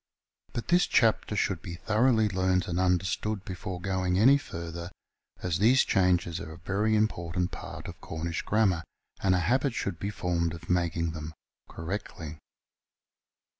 But this chapter should be thoroughly learnt and understood before going any further, as these changes are a very important part of Cornish grammar, and a habit should be formed of making them correctly.